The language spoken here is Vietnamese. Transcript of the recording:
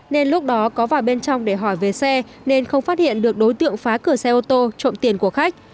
nên lúc đó có vào bên trong để hỏi về xe nên không phát hiện được đối tượng phá cửa xe ô tô trộm tiền của khách